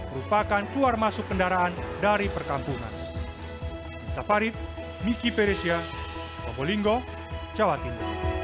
merupakan keluar masuk kendaraan dari perkampungan